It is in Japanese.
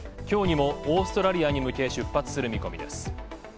きょうにもオーストラリアに向け出発する見込みです。